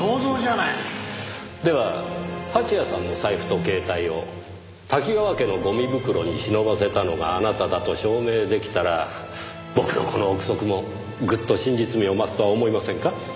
では蜂矢さんの財布と携帯を多岐川家のゴミ袋に忍ばせたのがあなただと証明出来たら僕のこの憶測もぐっと真実味を増すとは思いませんか？